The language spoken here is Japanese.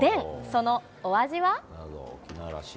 そのお味は。